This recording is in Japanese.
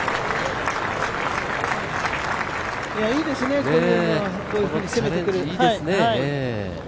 いいですね、こういうふうに攻めてくるの。